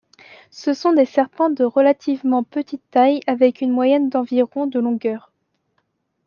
Ce sont des serpents de relativement petite taille avec une moyenne d'environ de longueur.